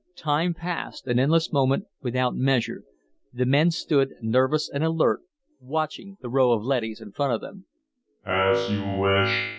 Time passed, an endless moment, without measure. The men stood, nervous and alert, watching the row of leadys in front of them.